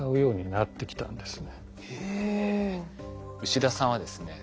牛田さんはですね